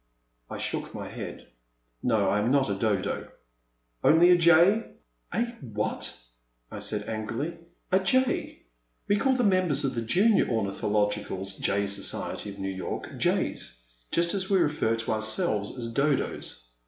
'* I shook my head. ''No, I am not a Dodo.*' Only a jay? A — ^what ?I said, angrily. A jay. We call the members of the Junior Ornithological Jay Society of New York, jays, just as we refer to ourselves as Dodos.